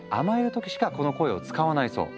時しかこの声を使わないそう。